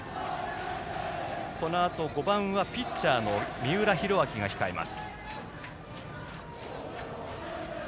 このあと５番はピッチャーの三浦寛明が控えます。